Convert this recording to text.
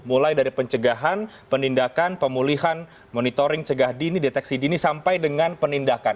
mulai dari pencegahan penindakan pemulihan monitoring cegah dini deteksi dini sampai dengan penindakan